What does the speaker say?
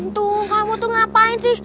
tuh kamu tuh ngapain sih